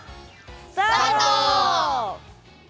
スタート！